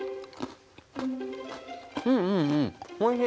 うんうんうんおいしい！